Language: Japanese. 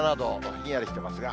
ひんやりしてますが。